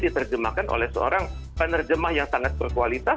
dan terjemahkan oleh seorang penerjemah yang sangat berkualitas